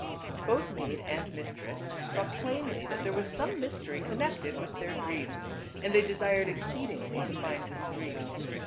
Both maid and mistress saw plainly that there was some mystery connected with their dreams, and they desired exceedingly to find the stream.